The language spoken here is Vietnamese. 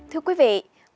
thưa quý vị